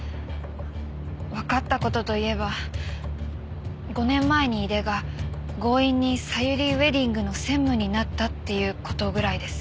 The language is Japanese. わかった事といえば５年前に井出が強引にさゆりウェディングの専務になったっていう事ぐらいです。